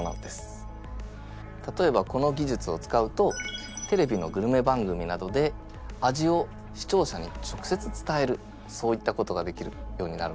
例えばこのぎじゅつを使うとテレビのグルメ番組などで味を視聴者に直接伝えるそういったことができるようになるわけです。